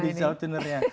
ada digital tuner ya